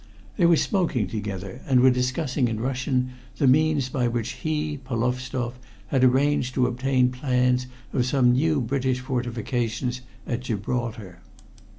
They were smoking together, and were discussing in Russian the means by which he, Polovstoff, had arranged to obtain plans of some new British fortifications at Gibraltar.